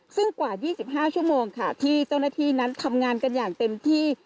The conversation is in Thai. ซึ่งกว่า๒๕ชั่วโมงค่ะที่เจ้าหน้าที่นั้นทำงานกันอย่างเต็มที่